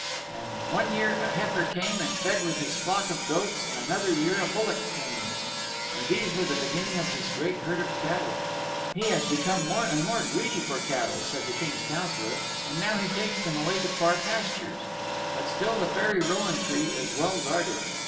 And one year a heifer came and fed with his flock of goats and another year a bullock came. And these were the beginning of his great herd of cattle. He has become more and more greedy for cattle, said the King's Councillor, and now he takes them away to far pastures. But still the Fairy Rowan Tree is well guarded.